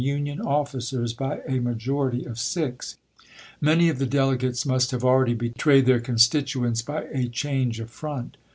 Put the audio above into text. Union officers by a majority of six; many of the *^'^^"22^.*^^' delegates must have already betrayed their constit uents by a change of front.